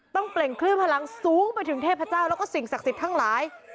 เปล่งคลื่นพลังสูงไปถึงเทพเจ้าแล้วก็สิ่งศักดิ์สิทธิ์ทั้งหลาย